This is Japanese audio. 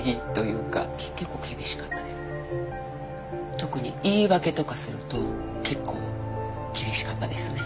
特に言い訳とかすると結構厳しかったですね。